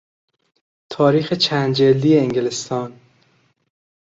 تاریخ چند جلدی انگلستان